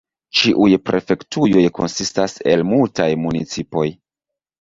Ĉiuj prefektujoj konsistas el multaj municipoj.